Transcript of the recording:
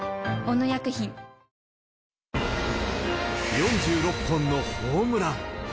４６本のホームラン。